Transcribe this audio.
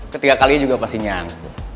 ketiga kalinya juga pasti nyang